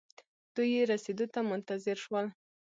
دوئ يې رسېدو ته منتظر شول.